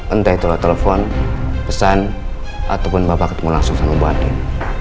entah itu lah telepon pesan ataupun bapak ketemu langsung sama bu andin